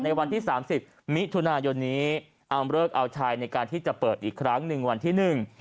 ในวันที่๓๐มิถุนายนอัมเลิกอัลชายในการที่จะเปิดอีกครั้ง๑วันที่๑